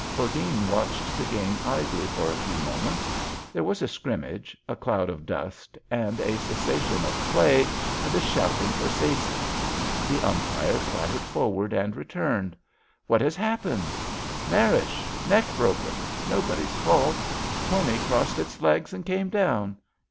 Hordene watched the game idly for a few moments. There was a scrimmage, a cloud of dust, and a cessation of play, and a shouting for saises. The umpire clattered forward and re turned. What has happened? '^Marish! Neck broken! Nobody's fault. Pony crossed its legs and came down.